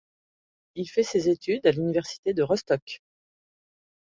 Il fait ses études à l'université de Rostock.